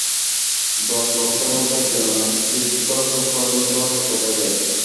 দশ লক্ষের মধ্যে একজনের মস্তিষ্ক সুপরিণত দেখা যায়।